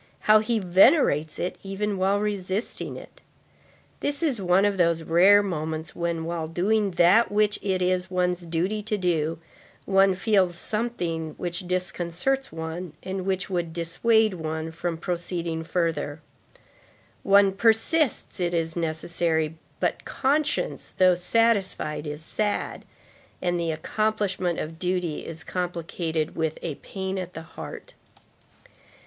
How he venerates it even while resisting it! This is one of those rare moments when, while doing that which it is one's duty to do, one feels something which disconcerts one, and which would dissuade one from proceeding further; one persists, it is necessary, but conscience, though satisfied, is sad, and the accomplishment of duty is complicated with a pain at the heart.